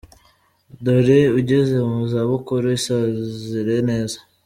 Dore ugeze mu za bukuru isazire neza.